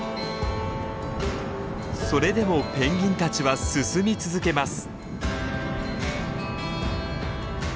それでもペンギンたちは進み続けます。